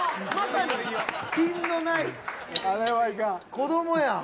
子供やん！